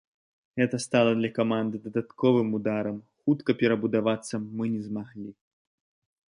Гэта стала для каманды дадатковым ударам, хутка перабудавацца мы не змаглі.